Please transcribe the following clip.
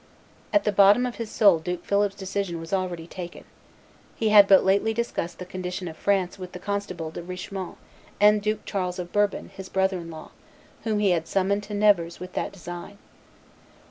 At the bottom of his soul Duke Philip's decision was already taken. He had but lately discussed the condition of France with the constable, De Richemont, and Duke Charles of Bourbon, his brother in law, whom he had summoned to Nevers with that design.